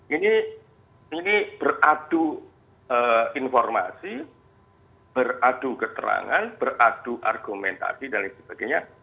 ini beradu informasi beradu keterangan beradu argumentasi dan lain sebagainya